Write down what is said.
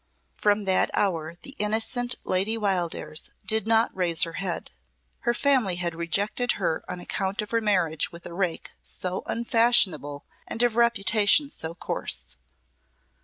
From that hour the innocent Lady Wildairs did not raise her head. Her family had rejected her on account of her marriage with a rake so unfashionable and of reputation so coarse.